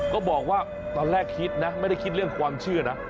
ก็บอกว่าตอนแรกคิดนะไม่ได้คิดเรื่องความเชื่อนะ